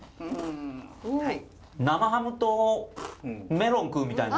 生ハムとメロン食うみたいな。